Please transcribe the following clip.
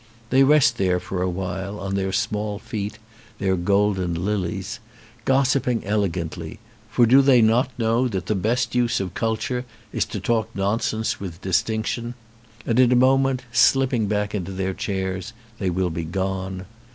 They rest there for a while on their small feet, their golden lilies, gossiping elegantly, for do they not know that the best use of culture is to talk nonsense with distinction ; and in a moment slipping back into their chairs they will be gone.